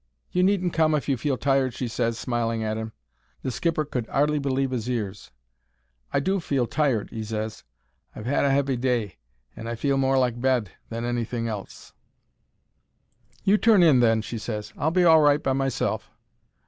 "You needn't come if you feel tired," she ses, smiling at 'im. The skipper could 'ardly believe his ears. "I do feel tired," he ses. "I've had a heavy day, and I feel more like bed than anything else." "You turn in, then," she ses. "I'll be all right by myself."